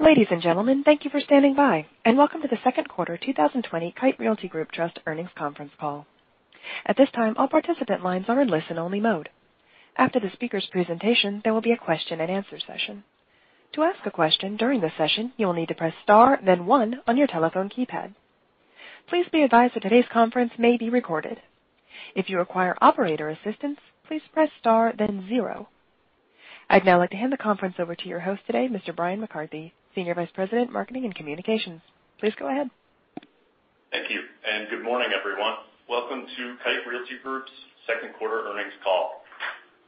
Ladies and gentlemen, thank you for standing by, and welcome to the second quarter 2020 Kite Realty Group Trust earnings conference call. At this this all participants are in listen-only mode. After the speakers presentation there will be a question and answer session. To ask a question during the session you will need to press star then one on your telephone keypad. Please be advised that today's conference maybe recorded if you require the conference operator's assistance please press star then zero. I'd now like to hand the conference over to your host today, Mr. Bryan McCarthy, Senior Vice President, Marketing and Communications. Please go ahead. Thank you, and good morning, everyone. Welcome to Kite Realty Group's second quarter earnings call.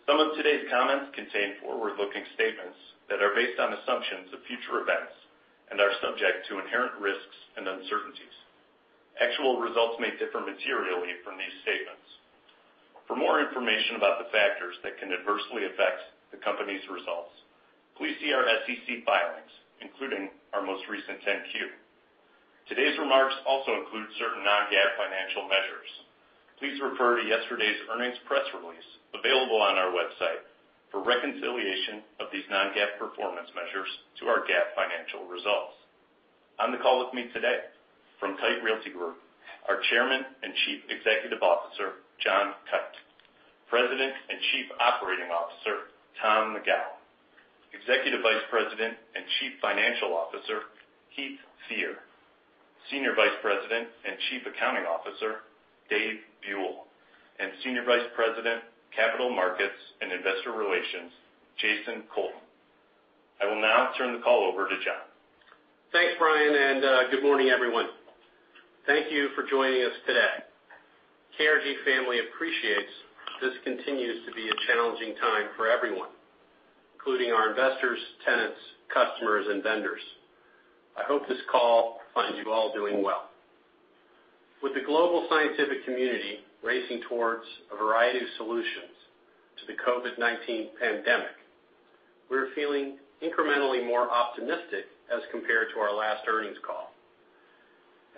Some of today's comments contain forward-looking statements that are based on assumptions of future events and are subject to inherent risks and uncertainties. Actual results may differ materially from these statements. For more information about the factors that can adversely affect the company's results, please see our SEC filings, including our most recent 10-Q. Today's remarks also include certain non-GAAP financial measures. Please refer to yesterday's earnings press release available on our website for reconciliation of these non-GAAP performance measures to our GAAP financial results. On the call with me today from Kite Realty Group, our Chairman and Chief Executive Officer, John Kite. President and Chief Operating Officer, Tom McGowan. Executive Vice President and Chief Financial Officer, Heath Fear. Senior Vice President and Chief Accounting Officer, Dave Buell, and Senior Vice President, Capital Markets and Investor Relations, Jason Colton. I will now turn the call over to John. Thanks, Bryan. Good morning, everyone. Thank you for joining us today. KRG family appreciates this continues to be a challenging time for everyone, including our investors, tenants, customers, and vendors. I hope this call finds you all doing well. With the global scientific community racing towards a variety of solutions to the COVID-19 pandemic, we're feeling incrementally more optimistic as compared to our last earnings call.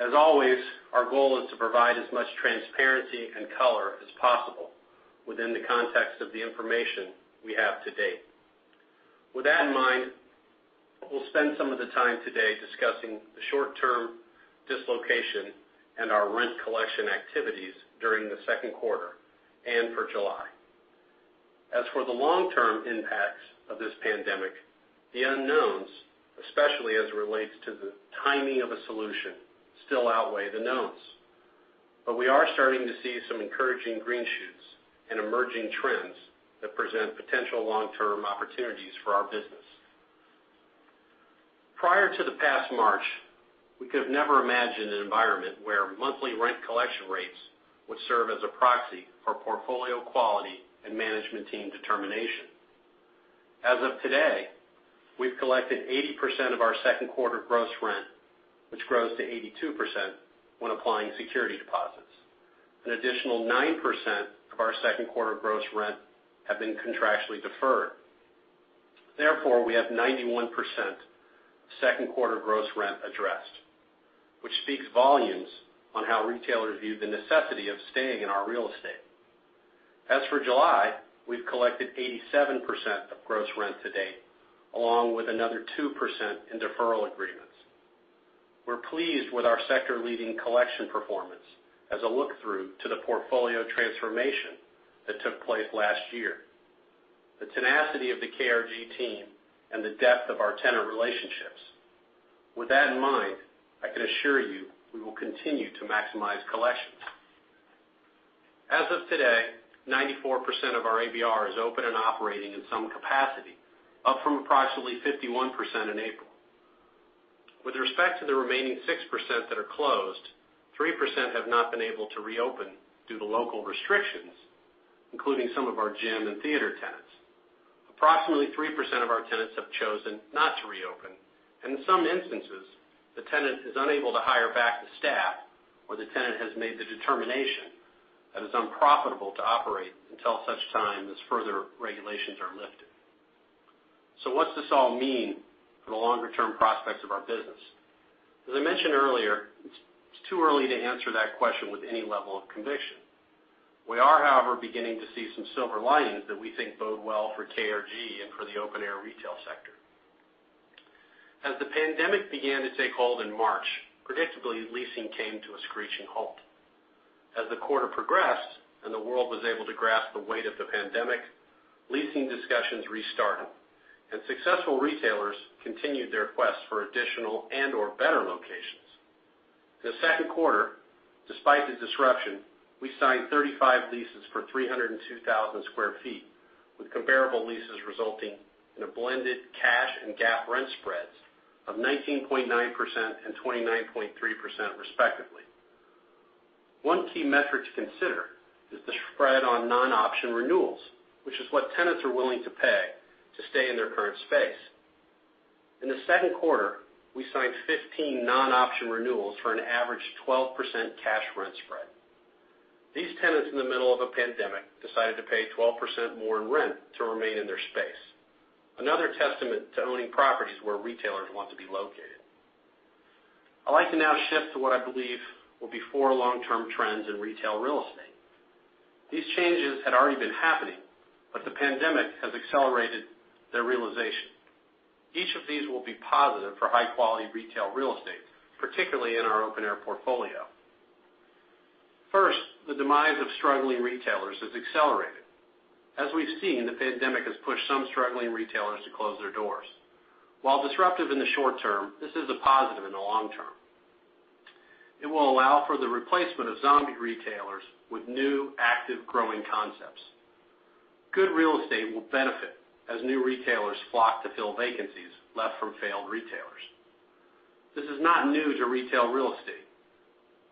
As always, our goal is to provide as much transparency and color as possible within the context of the information we have to date. With that in mind, we'll spend some of the time today discussing the short-term dislocation and our rent collection activities during the second quarter and for July. As for the long-term impacts of this pandemic, the unknowns, especially as it relates to the timing of a solution, still outweigh the knowns. We are starting to see some encouraging green shoots and emerging trends that present potential long-term opportunities for our business. Prior to the past March, we could have never imagined an environment where monthly rent collection rates would serve as a proxy for portfolio quality and management team determination. As of today, we've collected 80% of our second quarter gross rent, which grows to 82% when applying security deposits. An additional 9% of our second quarter gross rent have been contractually deferred. Therefore, we have 91% of second quarter gross rent addressed, which speaks volumes on how retailers view the necessity of staying in our real estate. As for July, we've collected 87% of gross rent to date, along with another 2% in deferral agreements. We're pleased with our sector-leading collection performance as a look-through to the portfolio transformation that took place last year, the tenacity of the KRG team, and the depth of our tenant relationships. With that in mind, I can assure you we will continue to maximize collections. As of today, 94% of our ABR is open and operating in some capacity, up from approximately 51% in April. With respect to the remaining 6% that are closed, 3% have not been able to reopen due to local restrictions, including some of our gym and theater tenants. Approximately 3% of our tenants have chosen not to reopen, in some instances, the tenant is unable to hire back the staff, or the tenant has made the determination that it's unprofitable to operate until such time as further regulations are lifted. What's this all mean for the longer-term prospects of our business? As I mentioned earlier, it's too early to answer that question with any level of conviction. We are, however, beginning to see some silver linings that we think bode well for KRG and for the open-air retail sector. As the pandemic began to take hold in March, predictably, leasing came to a screeching halt. As the quarter progressed and the world was able to grasp the weight of the pandemic, leasing discussions restarted, and successful retailers continued their quest for additional and/or better locations. In the second quarter, despite the disruption, we signed 35 leases for 302,000 sq ft, with comparable leases resulting in a blended cash and GAAP rent spreads of 19.9% and 29.3% respectively. One key metric to consider is the spread on non-option renewals, which is what tenants are willing to pay to stay in their current space. In the second quarter, we signed 15 non-option renewals for an average 12% cash rent spread. These tenants in the middle of a pandemic decided to pay 12% more in rent to remain in their space. Another testament to owning properties where retailers want to be located. I'd like to now shift to what I believe will be four long-term trends in retail real estate. These changes had already been happening, the pandemic has accelerated their realization. Each of these will be positive for high-quality retail real estate, particularly in our open-air portfolio. First, the demise of struggling retailers has accelerated. As we've seen, the pandemic has pushed some struggling retailers to close their doors. While disruptive in the short term, this is a positive in the long term. It will allow for the replacement of zombie retailers with new, active, growing concepts. Good real estate will benefit as new retailers flock to fill vacancies left from failed retailers. This is not new to retail real estate,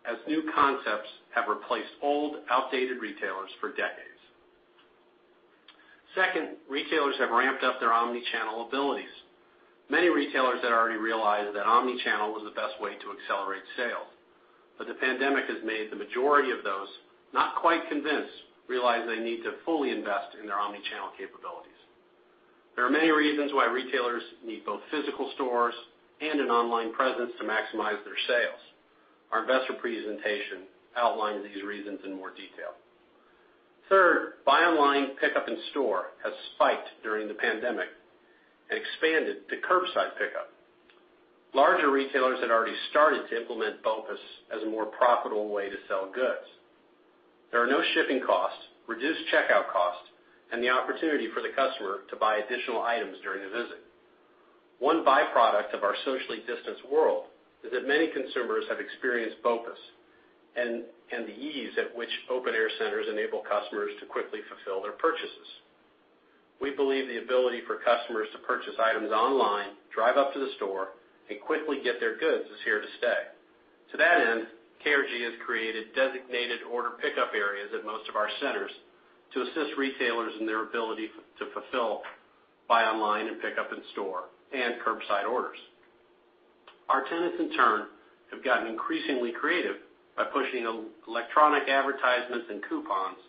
as new concepts have replaced old, outdated retailers for decades. Second, retailers have ramped up their omni-channel abilities. Many retailers had already realized that omni-channel was the best way to accelerate sales, but the pandemic has made the majority of those not quite convinced realize they need to fully invest in their omni-channel capabilities. There are many reasons why retailers need both physical stores and an online presence to maximize their sales. Our investor presentation outlines these reasons in more detail. Third, buy online pickup in store has spiked during the pandemic and expanded to curbside pickup. Larger retailers had already started to implement BOPUS as a more profitable way to sell goods. There are no shipping costs, reduced checkout costs, and the opportunity for the customer to buy additional items during the visit. One byproduct of our socially distanced world is that many consumers have experienced BOPUS and the ease at which open-air centers enable customers to quickly fulfill their purchases. We believe the ability for customers to purchase items online, drive up to the store, and quickly get their goods is here to stay. To that end, KRG has created designated order pickup areas at most of our centers to assist retailers in their ability to fulfill buy online and pickup in-store and curbside orders. Our tenants in turn, have gotten increasingly creative by pushing electronic advertisements and coupons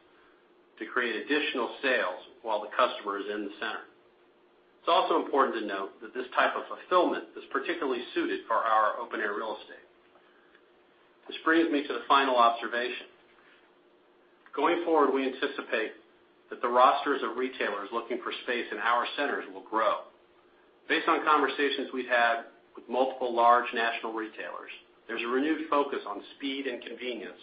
to create additional sales while the customer is in the center. It's also important to note that this type of fulfillment is particularly suited for our open-air real estate. This brings me to the final observation. Going forward, we anticipate that the rosters of retailers looking for space in our centers will grow. Based on conversations we've had with multiple large national retailers, there's a renewed focus on speed and convenience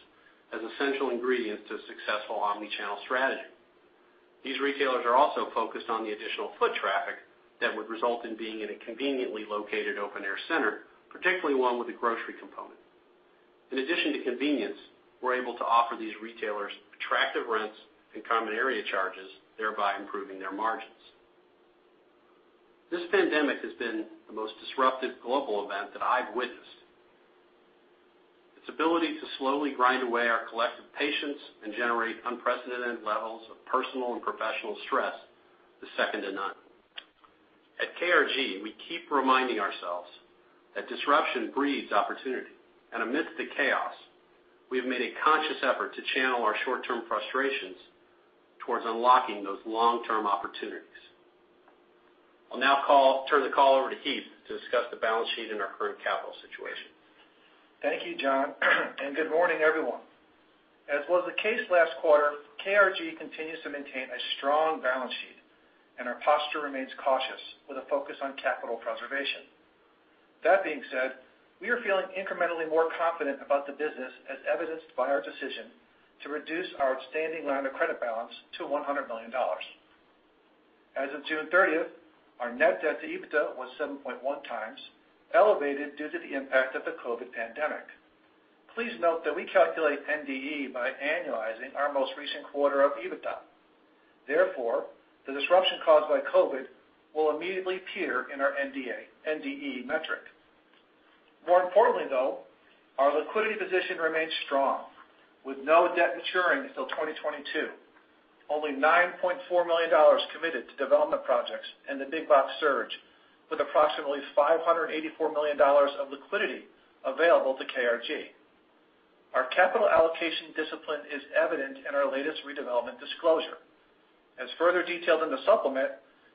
as essential ingredients to a successful omni-channel strategy. These retailers are also focused on the additional foot traffic that would result in being in a conveniently located open-air center, particularly one with a grocery component. In addition to convenience, we're able to offer these retailers attractive rents and common area charges, thereby improving their margins. This pandemic has been the most disruptive global event that I've witnessed. Its ability to slowly grind away our collective patience and generate unprecedented levels of personal and professional stress is second to none. At KRG, we keep reminding ourselves that disruption breeds opportunity. Amidst the chaos, we have made a conscious effort to channel our short-term frustrations towards unlocking those long-term opportunities. I'll now turn the call over to Heath to discuss the balance sheet and our current capital situation. Thank you, John, and good morning, everyone. As was the case last quarter, KRG continues to maintain a strong balance sheet, and our posture remains cautious with a focus on capital preservation. That being said, we are feeling incrementally more confident about the business as evidenced by our decision to reduce our outstanding line of credit balance to $100 million. As of June 30th, our net debt to EBITDA was 7.1x, elevated due to the impact of the COVID pandemic. Please note that we calculate NDE by annualizing our most recent quarter of EBITDA. Therefore, the disruption caused by COVID will immediately appear in our NDE metric. More importantly, though, our liquidity position remains strong, with no debt maturing until 2022. Only $9.4 million committed to development projects and the Big Box Surge, with approximately $584 million of liquidity available to KRG. Our capital allocation discipline is evident in our latest redevelopment disclosure. As further detailed in the supplement,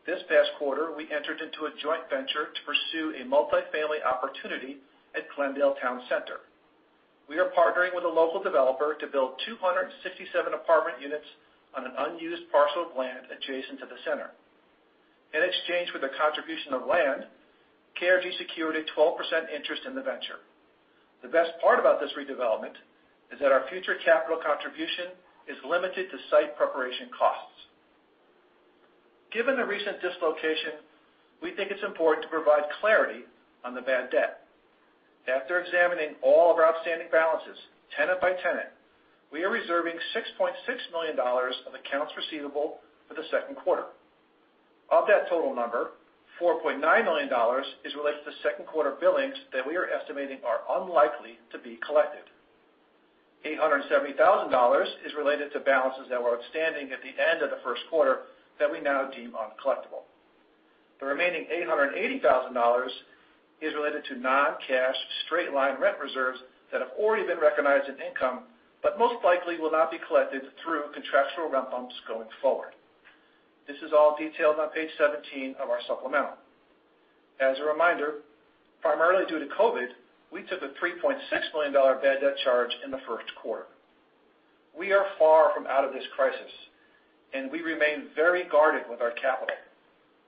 this past quarter, we entered into a joint venture to pursue a multifamily opportunity at Glendale Town Center. We are partnering with a local developer to build 267 apartment units on an unused parcel of land adjacent to the center. In exchange for the contribution of land, KRG secured a 12% interest in the venture. The best part about this redevelopment is that our future capital contribution is limited to site preparation costs. Given the recent dislocation, we think it's important to provide clarity on the bad debt. After examining all of our outstanding balances, tenant by tenant, we are reserving $6.6 million on accounts receivable for the second quarter. Of that total number, $4.9 million is related to second quarter billings that we are estimating are unlikely to be collected. $870,000 is related to balances that were outstanding at the end of the first quarter that we now deem uncollectible. The remaining $880,000 is related to non-cash straight-line rent reserves that have already been recognized in income, but most likely will not be collected through contractual rent bumps going forward. This is all detailed on page 17 of our supplemental. As a reminder, primarily due to COVID, we took a $3.6 million bad debt charge in the first quarter. We are far from out of this crisis, and we remain very guarded with our capital.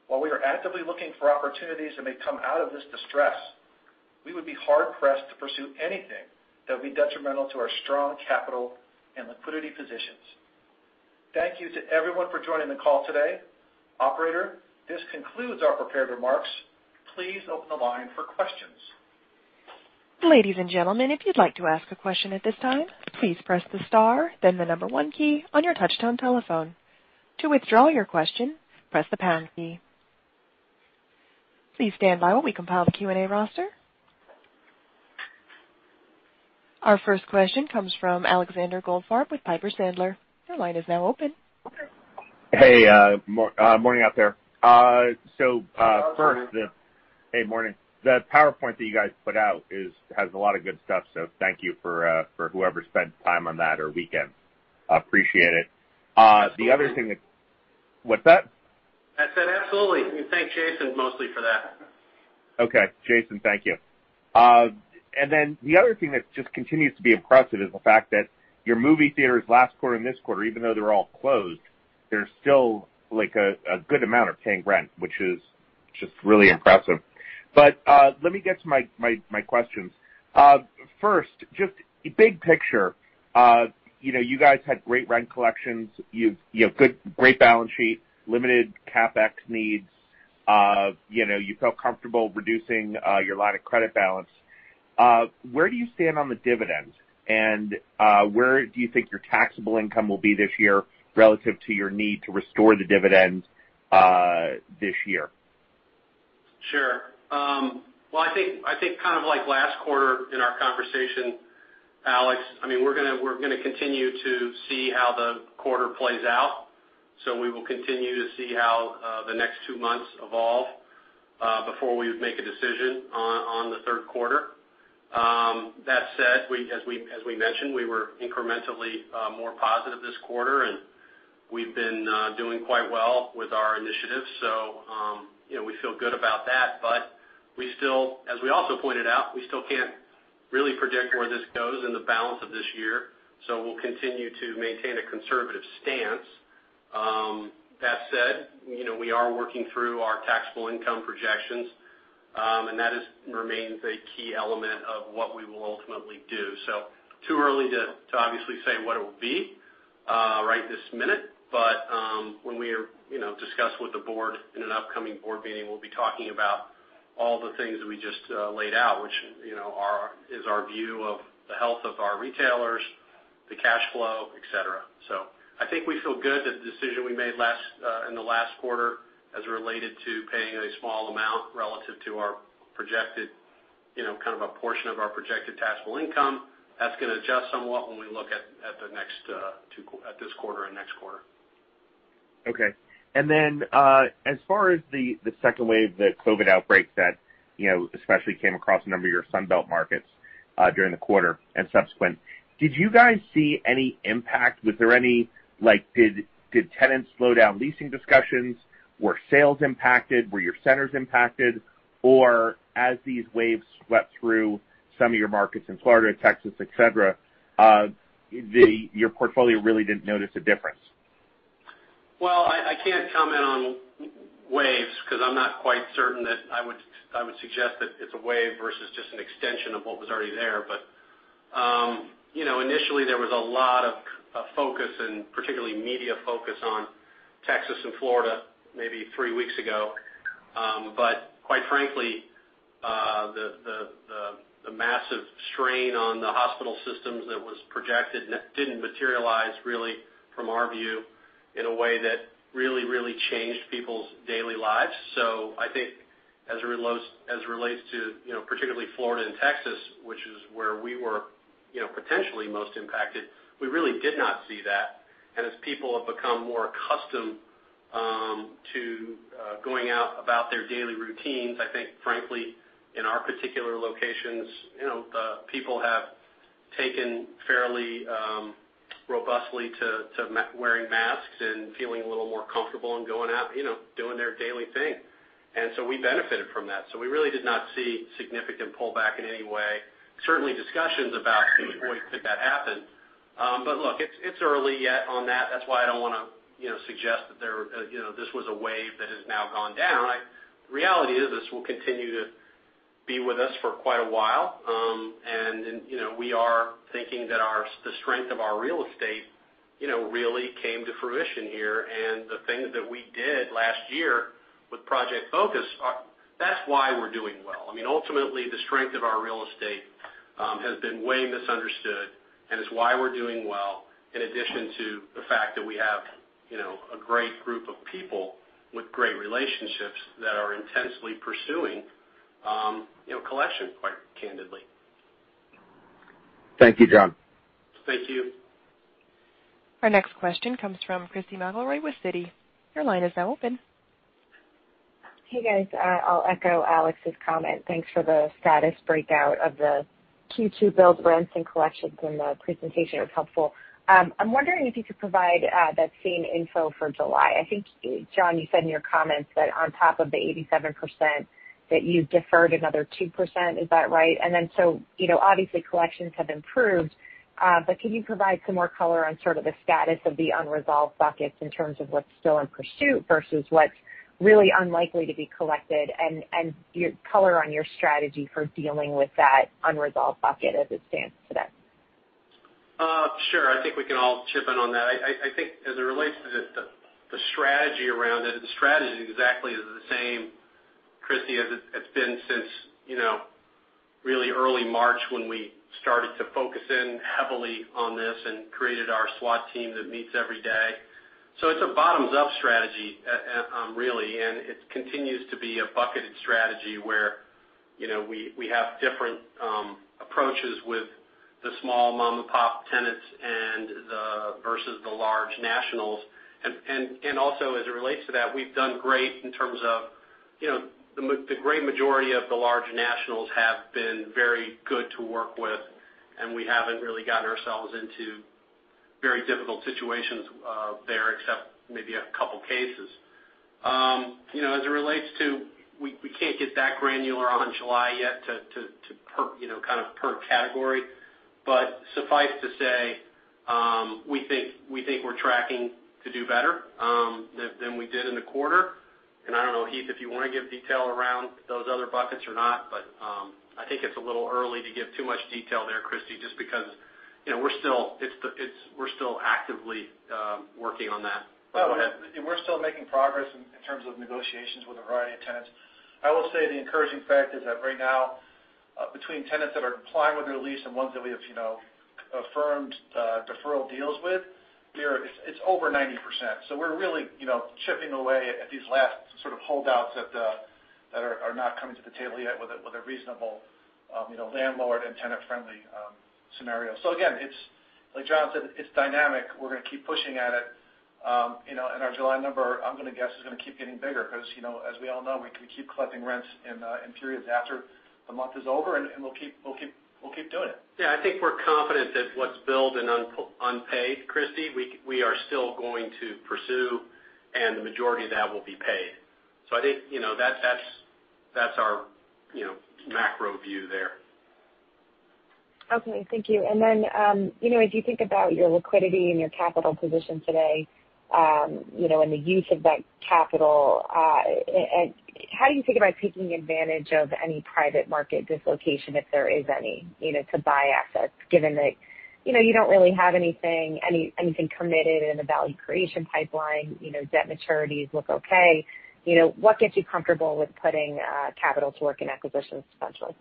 While we are actively looking for opportunities that may come out of this distress, we would be hard-pressed to pursue anything that would be detrimental to our strong capital and liquidity positions. Thank you to everyone for joining the call today. Operator, this concludes our prepared remarks. Please open the line for questions. Ladies and gentlemen, if you'd like to ask a question at this time, please press the star, then the number one key on your touchtone telephone. To withdraw your question, press the pound key. Please stand by while we compile the Q&A roster. Our first question comes from Alexander Goldfarb with Piper Sandler. Your line is now open. Hey. Morning out there. Good morning. Hey, morning. The PowerPoint that you guys put out has a lot of good stuff. Thank you for whoever spent time on that or weekend. Appreciate it. The other thing that. What's that? I said absolutely. We thank Jason mostly for that. Okay. Jason, thank you. The other thing that just continues to be impressive is the fact that your movie theaters last quarter and this quarter, even though they're all closed, they're still a good amount are paying rent, which is just really impressive. Let me get to my questions. First, just big picture. You guys had great rent collections. You have great balance sheet, limited CapEx needs. You felt comfortable reducing your line of credit balance. Where do you stand on the dividend? Where do you think your taxable income will be this year relative to your need to restore the dividend this year? Sure. Well, I think kind of like last quarter in our conversation, Alex, we're going to continue to see how the quarter plays out. We will continue to see how the next two months evolve, before we make a decision on the third quarter. That said, as we mentioned, we were incrementally more positive this quarter, and we've been doing quite well with our initiatives. We feel good about that. We still, as we also pointed out, we still can't really predict where this goes in the balance of this year. We'll continue to maintain a conservative stance. That said, we are working through our taxable income projections, and that remains a key element of what we will ultimately do. Too early to obviously say what it will be right this minute. When we discuss with the board in an upcoming board meeting, we'll be talking about all the things that we just laid out, which is our view of the health of our retailers, the cash flow, et cetera. I think we feel good that the decision we made in the last quarter as related to paying a small amount relative to our projected kind of a portion of our projected taxable income. That's going to adjust somewhat when we look at this quarter and next quarter. Okay. As far as the second wave, the COVID outbreak that especially came across a number of your Sun Belt markets during the quarter and subsequent, did you guys see any impact? Did tenants slow down leasing discussions? Were sales impacted? Were your centers impacted? As these waves swept through some of your markets in Florida, Texas, et cetera, your portfolio really didn't notice a difference? I can't comment on waves because I'm not quite certain that I would suggest that it's a wave versus just an extension of what was already there. Initially there was a lot of focus and particularly media focus on Texas and Florida maybe three weeks ago. Quite frankly, the massive strain on the hospital systems that was projected didn't materialize really from our view in a way that really changed people's daily lives. I think as it relates to particularly Florida and Texas, which is where we were potentially most impacted, we really did not see that. As people have become more accustomed to going out about their daily routines, I think frankly, in our particular locations, the people have taken fairly robustly to wearing masks and feeling a little more comfortable and going out, doing their daily thing. We benefited from that. We really did not see significant pullback in any way. Certainly discussions about boy, could that happen. Look, it's early yet on that's why I don't want to suggest that this was a wave that has now gone down. Reality is, this will continue to be with us for quite a while. We are thinking that the strength of our real estate really came to fruition here. The things that we did last year with Project Focus, that's why we're doing well. Ultimately, the strength of our real estate has been way misunderstood, and it's why we're doing well, in addition to the fact that we have a great group of people with great relationships that are intensely pursuing collection, quite candidly. Thank you, John. Thank you. Our next question comes from Christy McElroy with Citi. Your line is now open. Hey guys, I'll echo Alex's comment. Thanks for the status breakout of the Q2 billed rents and collections in the presentation. It was helpful. I'm wondering if you could provide that same info for July. I think, John, you said in your comments that on top of the 87%, that you deferred another 2%, is that right? Obviously collections have improved, but could you provide some more color on sort of the status of the unresolved buckets in terms of what's still in pursuit versus what's really unlikely to be collected, and your color on your strategy for dealing with that unresolved bucket as it stands today? Sure. I think we can all chip in on that. I think as it relates to the strategy around it, the strategy exactly is the same, Christy, as it's been since really early March, when we started to focus in heavily on this and created our SWAT team that meets every day. It's a bottoms-up strategy, really, and it continues to be a bucketed strategy where we have different approaches with the small mom-and-pop tenants versus the large nationals. Also as it relates to that, we've done great in terms of the great majority of the large nationals have been very good to work with, and we haven't really gotten ourselves into very difficult situations there, except maybe a couple cases. As it relates to, we can't get that granular on July yet to kind of per category. Suffice to say, we think we're tracking to do better than we did in the quarter. I don't know, Heath, if you want to give detail around those other buckets or not, I think it's a little early to give too much detail there, Christy, just because we're still actively working on that. Go ahead. We're still making progress in terms of negotiations with a variety of tenants. I will say the encouraging fact is that right now, between tenants that are complying with their lease and ones that we have affirmed deferral deals with, it's over 90%. We're really chipping away at these last sort of holdouts that are not coming to the table yet with a reasonable landlord and tenant-friendly scenario. Again, like John said, it's dynamic. We're going to keep pushing at it. Our July number, I'm going to guess, is going to keep getting bigger because as we all know, we can keep collecting rents in periods after the month is over, and we'll keep doing it. Yeah, I think we're confident that what's billed and unpaid, Christy, we are still going to pursue. The majority of that will be paid. I think that's our macro view there. Okay. Thank you. As you think about your liquidity and your capital position today, and the use of that capital, how do you think about taking advantage of any private market dislocation, if there is any, to buy assets, given that you don't really have anything committed in the value creation pipeline, debt maturities look okay. What gets you comfortable with putting capital to work in acquisitions potentially?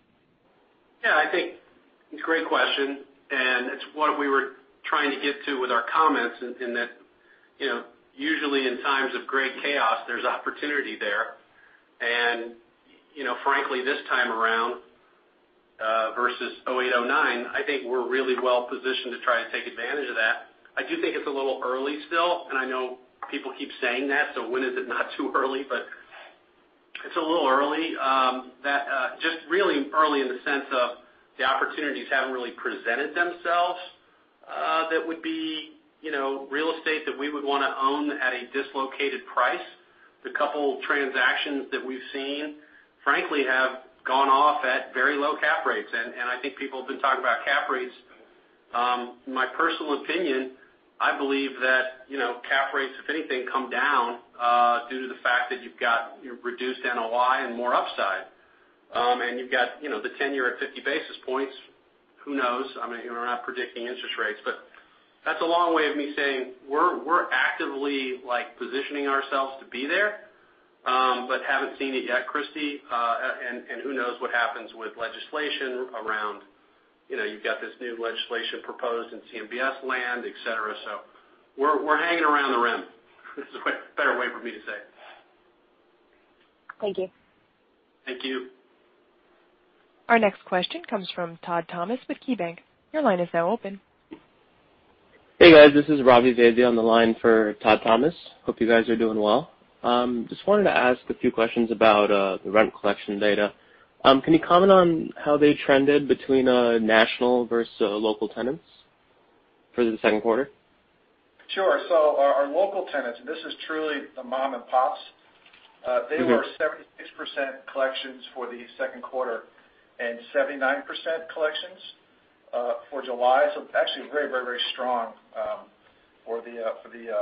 Yeah, I think it's a great question, it's what we were trying to get to with our comments in that usually in times of great chaos, there's opportunity there. Frankly, this time around, versus 2008, 2009, I think we're really well-positioned to try to take advantage of that. I do think it's a little early still, I know people keep saying that, when is it not too early, it's a little early. Just really early in the sense of the opportunities haven't really presented themselves, that would be real estate that we would want to own at a dislocated price. The couple transactions that we've seen, frankly, have gone off at very low cap rates. I think people have been talking about cap rates. My personal opinion, I believe that cap rates, if anything, come down, due to the fact that you've got your reduced NOI and more upside. You've got the 10 year at 50 basis points. Who knows? I mean, we're not predicting interest rates. That's a long way of me saying we're actively positioning ourselves to be there, but haven't seen it yet, Christy. Who knows what happens with legislation. You've got this new legislation proposed in CMBS land, et cetera. We're hanging around the rim is a better way for me to say it. Thank you. Thank you. Our next question comes from Todd Thomas with KeyBanc. Your line is now open. Hey, guys, this is Ravi Vaidya on the line for Todd Thomas. Hope you guys are doing well. Just wanted to ask a few questions about the rent collection data. Can you comment on how they trended between national versus local tenants for the second quarter? Sure. Our local tenants, and this is truly the mom-and-pops. They were at 76% collections for the second quarter and 79% collections for July. Actually very strong for the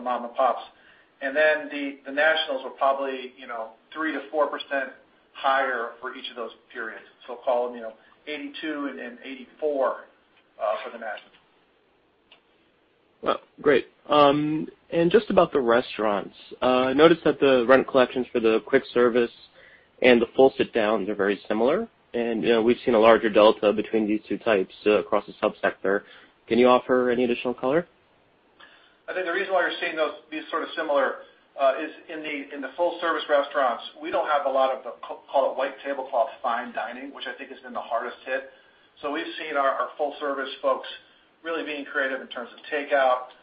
mom-and-pops. The nationals were probably 3%-4% higher for each of those periods. Call them 82 and 84 for the nationals. Great. Just about the restaurants. I noticed that the rent collections for the quick service and the full sit-down, they're very similar. We've seen a larger delta between these two types across the sub-sector. Can you offer any additional color? I think the reason why you're seeing these sort of similar is in the full-service restaurants, we don't have a lot of the, call it white tablecloth fine dining, which I think has been the hardest hit. We've seen our full-service folks really being creative in terms of takeout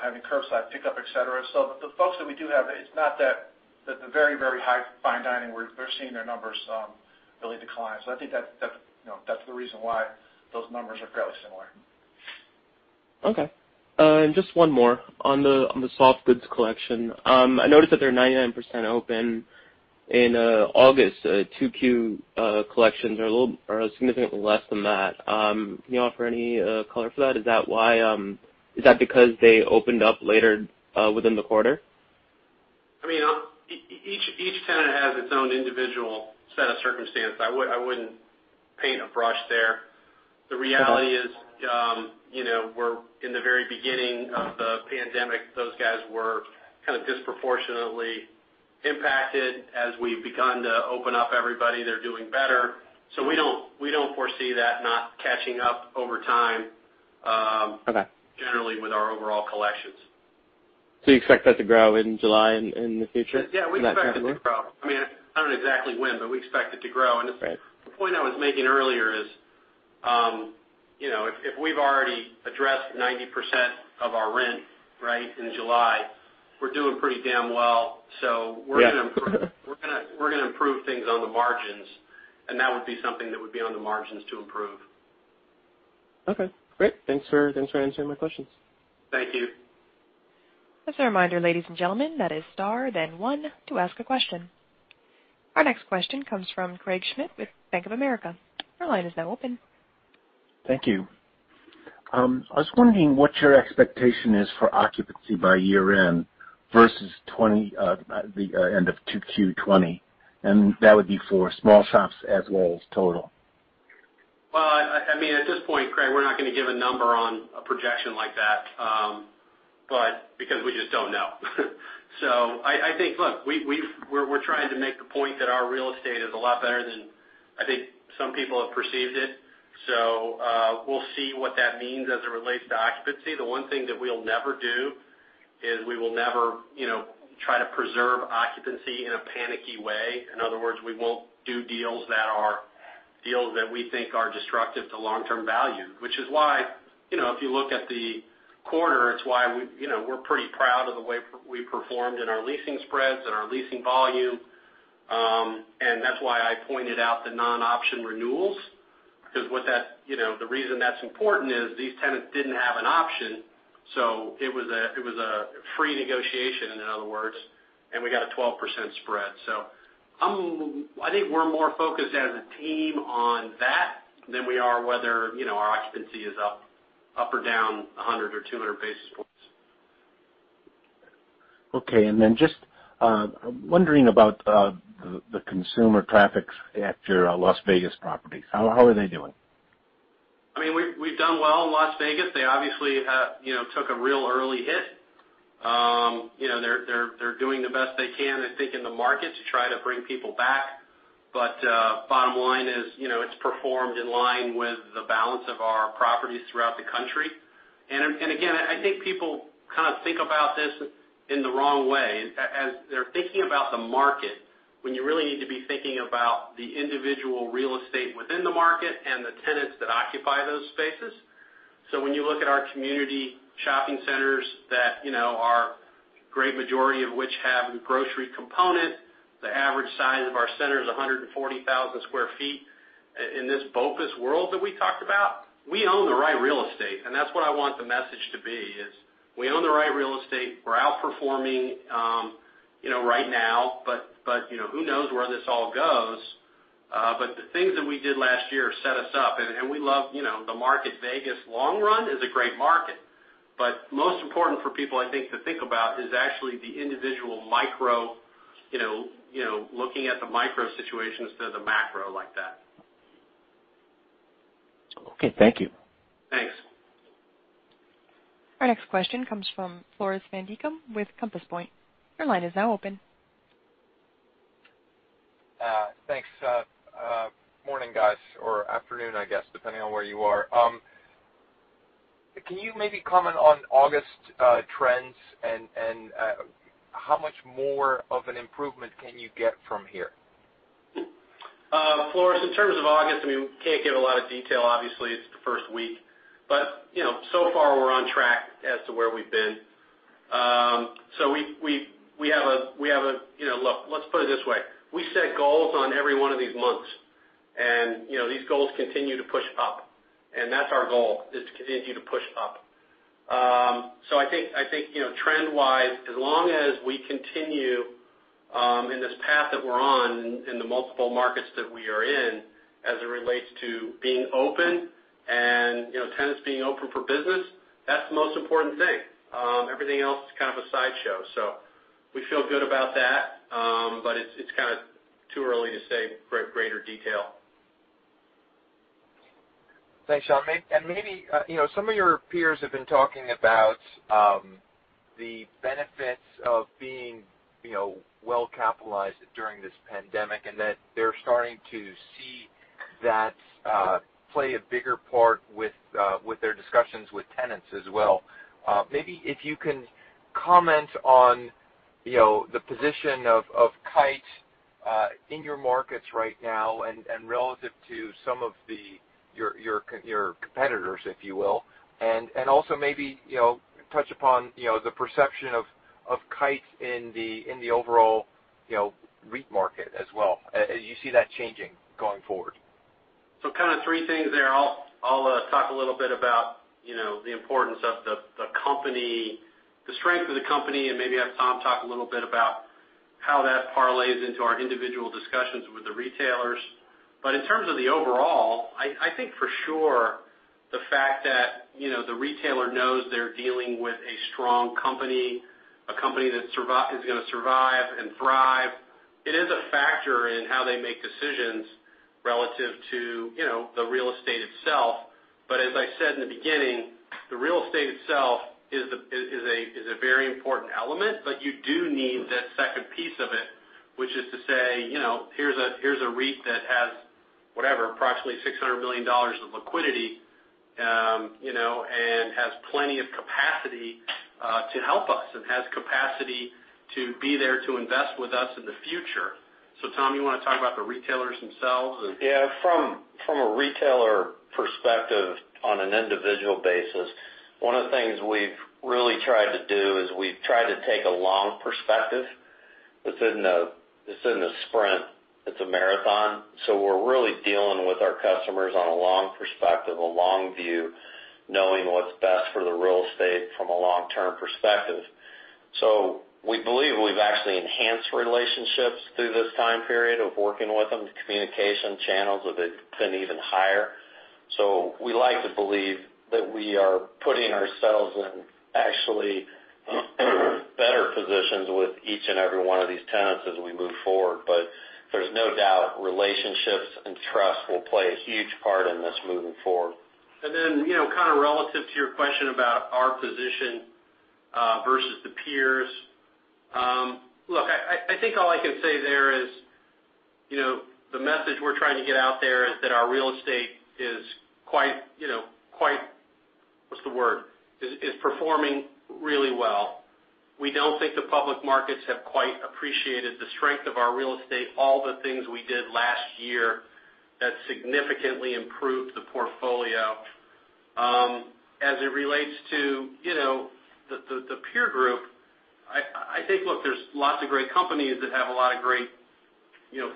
Having curbside pickup, et cetera. The folks that we do have, it's not that the very high fine dining, they're seeing their numbers really decline. I think that's the reason why those numbers are fairly similar. Okay. Just one more on the soft goods collection. I noticed that they're 99% open in August. 2Q collections are a little or significantly less than that. Can you offer any color for that? Is that because they opened up later within the quarter? Each tenant has its own individual set of circumstances. I wouldn't paint a brush there. The reality is, we're in the very beginning of the pandemic, those guys were kind of disproportionately impacted. As we've begun to open up everybody, they're doing better. We don't foresee that not catching up over time. Okay Generally with our overall collections. You expect that to grow in July and in the future? Yeah, we expect it to grow. I don't know exactly when, but we expect it to grow. Right. The point I was making earlier is, if we've already addressed 90% of our rent right in July, we're doing pretty damn well. Yeah. We're going to improve things on the margins, and that would be something that would be on the margins to improve. Okay, great. Thanks for answering my questions. Thank you. As a reminder, ladies and gentlemen, that is star, then one to ask a question. Our next question comes from Craig Schmidt with Bank of America. Your line is now open. Thank you. I was wondering what your expectation is for occupancy by year end versus the end of 2Q 2020, and that would be for small shops as well as total. Well, at this point, Craig, we're not going to give a number on a projection like that, because we just don't know. I think, look, we're trying to make the point that our real estate is a lot better than, I think, some people have perceived it. We'll see what that means as it relates to occupancy. The one thing that we'll never do is we will never try to preserve occupancy in a panicky way. In other words, we won't do deals that we think are destructive to long-term value. Which is why, if you look at the quarter, it's why we're pretty proud of the way we performed in our leasing spreads and our leasing volume. That's why I pointed out the non-option renewals, because the reason that's important is these tenants didn't have an option, so it was a free negotiation, in other words, and we got a 12% spread. I think we're more focused as a team on that than we are whether our occupancy is up or down 100 or 200 basis points. Okay, just wondering about the consumer traffic at your Las Vegas properties. How are they doing? We've done well in Las Vegas. They obviously took a real early hit. They're doing the best they can, I think, in the market to try to bring people back. Bottom line is, it's performed in line with the balance of our properties throughout the country. Again, I think people kind of think about this in the wrong way, as they're thinking about the market, when you really need to be thinking about the individual real estate within the market and the tenants that occupy those spaces. When you look at our community shopping centers, that our great majority of which have a grocery component, the average size of our center is 140,000 sq feet. In this focus world that we talked about, we own the right real estate, and that's what I want the message to be, is we own the right real estate. We're outperforming right now, but who knows where this all goes. The things that we did last year set us up, and we love the market. Vegas long run is a great market. Most important for people, I think, to think about is actually the individual micro, looking at the micro situation instead of the macro like that. Okay. Thank you. Thanks. Our next question comes from Floris van Dijkum with Compass Point. Thanks. Morning, guys, or afternoon, I guess, depending on where you are. Can you maybe comment on August trends, and how much more of an improvement can you get from here? Floris, in terms of August, we can't give a lot of detail. Obviously, it's the first week. So far, we're on track as to where we've been. Look, let's put it this way. We set goals on every one of these months, these goals continue to push up, and that's our goal is to continue to push up. I think trend-wise, as long as we continue in this path that we're on in the multiple markets that we are in as it relates to being open and tenants being open for business, that's the most important thing. Everything else is kind of a sideshow. We feel good about that. It's kind of too early to say for greater detail. Thanks, John. Maybe some of your peers have been talking about the benefits of being well-capitalized during this pandemic, and that they're starting to see that play a bigger part with their discussions with tenants as well. Maybe if you can comment on the position of Kite in your markets right now and relative to some of your competitors, if you will, and also maybe touch upon the perception of Kite in the overall REIT market as well. Do you see that changing going forward? Kind of three things there. I'll talk a little bit about the importance of the company, the strength of the company, and maybe have Tom talk a little bit about how that parlays into our individual discussions with the retailers. In terms of the overall, I think for sure the fact that the retailer knows they're dealing with a strong company, a company that is going to survive and thrive. It is a factor in how they make decisions relative to the real estate itself. As I said in the beginning, the real estate itself is a very important element, but you do need that second piece of it, which is to say, here's a REIT that has, whatever, approximately $600 million of liquidity, and has plenty of capacity to help us and has capacity to be there to invest with us in the future. Tom, you want to talk about the retailers themselves. Yeah, from a retailer perspective, on an individual basis, one of the things we've really tried to do is we've tried to take a long perspective. This isn't a sprint, it's a marathon. We're really dealing with our customers on a long perspective, a long view, knowing what's best for the real estate from a long-term perspective. We believe we've actually enhanced relationships through this time period of working with them. The communication channels have been even higher. We like to believe that we are putting ourselves in actually better positions with each and every one of these tenants as we move forward. There's no doubt relationships and trust will play a huge part in this moving forward. Relative to your question about our position versus the peers. All I can say there is, the message we're trying to get out there is that our real estate is performing really well. We don't think the public markets have quite appreciated the strength of our real estate, all the things we did last year that significantly improved the portfolio. As it relates to the peer group, there's lots of great companies that have a lot of great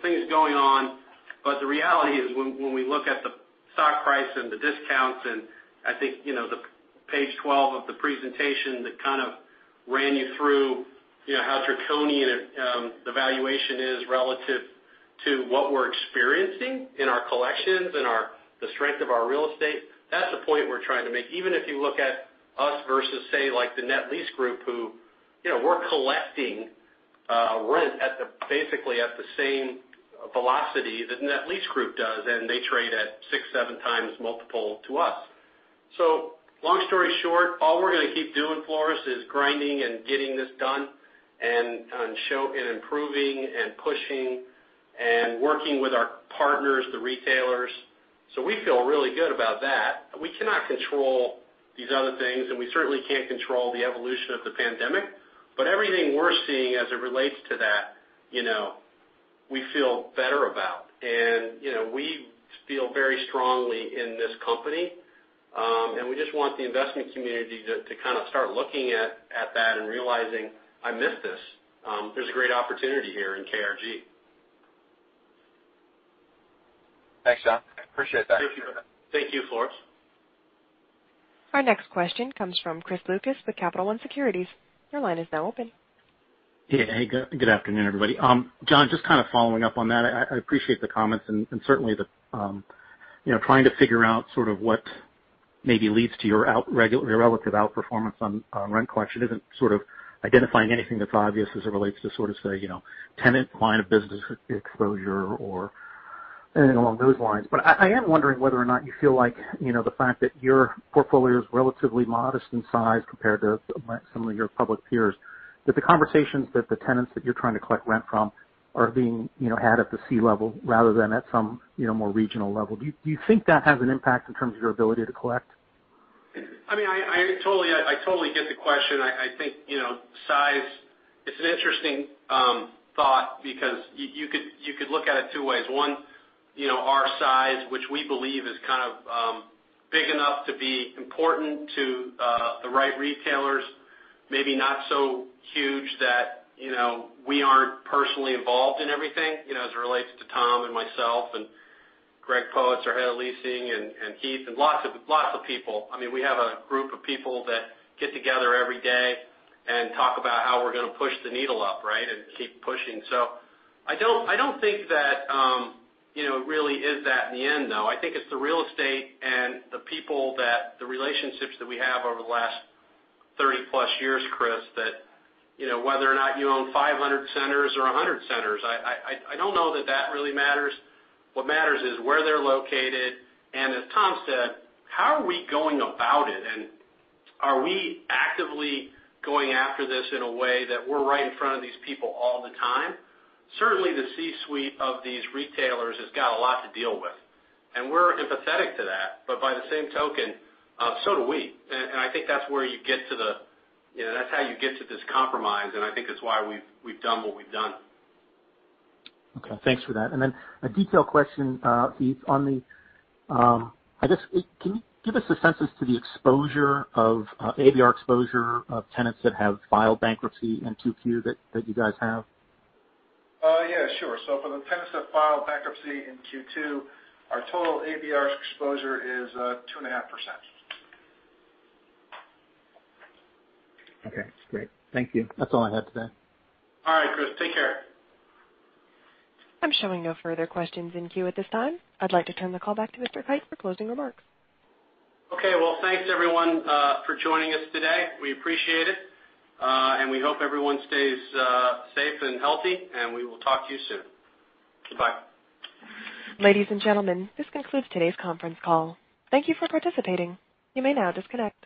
things going on. The reality is, when we look at the stock price and the discounts, the page 12 of the presentation that ran you through how Draconian the valuation is relative to what we're experiencing in our collections and the strength of our real estate. That's the point we're trying to make. Even if you look at us versus say, like the net lease group who, we're collecting rent basically at the same velocity the net lease group does, and they trade at six, seven times multiple to us. Long story short, all we're going to keep doing, Floris, is grinding and getting this done, and improving and pushing and working with our partners, the retailers. We feel really good about that. We cannot control these other things, and we certainly can't control the evolution of the pandemic. Everything we're seeing as it relates to that, we feel better about. We feel very strongly in this company. We just want the investment community to kind of start looking at that and realizing, I missed this. There's a great opportunity here in KRG. Thanks, John. I appreciate that. Thank you, Floris. Our next question comes from Chris Lucas with Capital One Securities. Yeah. Good afternoon, everybody. John, just kind of following up on that. I appreciate the comments and certainly the trying to figure out sort of what maybe leads to your relative outperformance on rent collection isn't sort of identifying anything that's obvious as it relates to sort of, say, tenant line of business exposure or anything along those lines. I am wondering whether or not you feel like, the fact that your portfolio is relatively modest in size compared to some of your public peers, that the conversations that the tenants that you're trying to collect rent from are being had at the C-level rather than at some more regional level. Do you think that has an impact in terms of your ability to collect? I totally get the question. I think size, it's an interesting thought because you could look at it two ways. One, our size, which we believe is kind of big enough to be important to the right retailers, maybe not so huge that we aren't personally involved in everything, as it relates to Tom and myself and Gregg Poetz, our head of leasing, and Heath, and lots of people. We have a group of people that get together every day and talk about how we're going to push the needle up, right, and keep pushing. So I don't think that it really is that in the end, though. I think it's the real estate and the people that the relationships that we have over the last 30+ years, Chris, that whether or not you own 500 centers or 100 centers, I don't know that that really matters. What matters is where they're located, as Tom said, how are we going about it? Are we actively going after this in a way that we're right in front of these people all the time? Certainly, the C-suite of these retailers has got a lot to deal with, we're empathetic to that. By the same token, so do we. I think that's how you get to this compromise, I think that's why we've done what we've done. Okay, thanks for that. A detailed question, Heath, can you give us a sense to the ABR exposure of tenants that have filed bankruptcy in Q2 that you guys have? Yeah, sure. For the tenants that filed bankruptcy in Q2, our total ABR exposure is 2.5%. Okay, great. Thank you. That's all I had today. All right, Chris, take care. I'm showing no further questions in queue at this time. I'd like to turn the call back to Mr. Kite for closing remarks. Okay. Well, thanks everyone for joining us today. We appreciate it. We hope everyone stays safe and healthy, and we will talk to you soon. Goodbye. Ladies and gentlemen, this concludes today's conference call. Thank you for participating. You may now disconnect.